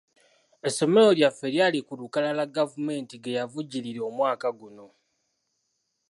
Essomero lyaffe lyali ku lukalala gavumenti ge yavujjirira omwaka guno.